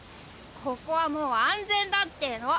ここはもう安全だっての。